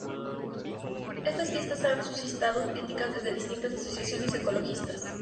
Estas fiestas han suscitado críticas desde distintas asociaciones ecologistas.